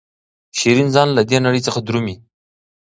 شیرین ځان له دې نړۍ څخه درومي.